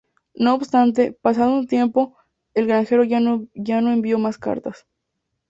No obstante, pasado un tiempo, el granjero ya no envía más cartas.